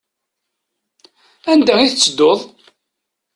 Anda i tettedduḍ?